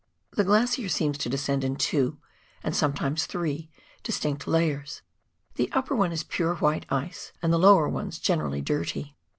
The glacier seems to descend in two, and sometimes three distinct layers ; the upper one is pure white ice, and the lower ones generally dirty.